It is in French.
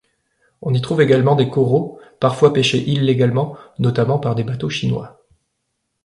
On y trouve également des coraux, parfois péchés illégalement, notamment par des bateaux chinois.